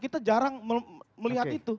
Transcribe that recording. kita jarang melihat itu